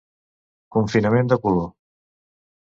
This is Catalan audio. Confinament de color.